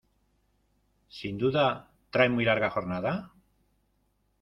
¿ sin duda traen muy larga jornada?